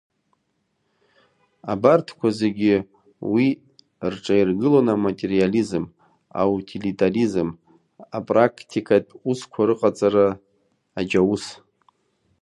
Абарҭқәа зегьы уи рҿаиргылон аматериализм, аутилитаризм, апрақтикатә усқәа рыҟаҵара, аџьаус.